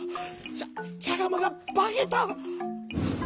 ちゃちゃがまがばけた！